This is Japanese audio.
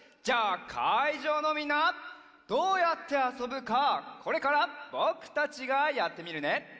じゃあかいじょうのみんなどうやってあそぶかこれからぼくたちがやってみるね。